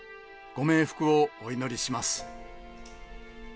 ご冥福をお祈りします。